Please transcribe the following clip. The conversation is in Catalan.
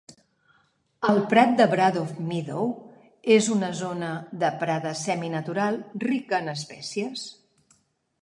El prat de Bratoft Meadow és una zona de prada seminatural rica en espècies.